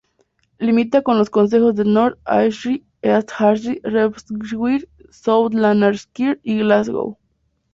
Limita con los concejos de North Ayrshire, East Ayrshire, Renfrewshire, South Lanarkshire y Glasgow.